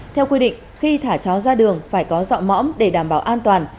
theo quy định khi thả chó ra đường phải có dọ mõm để đảm bảo an toàn